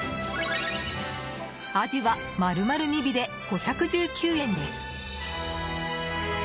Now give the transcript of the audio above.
アジは丸々２尾で５１９円です。